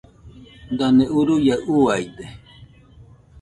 Dane uruaiaɨ uaide.